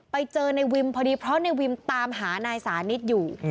ไปเจอในวิมพอดีเพราะในวิมตามหานายสานิทอยู่